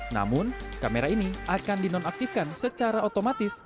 namun kamera ini akan dinonaktifkan secara otomatis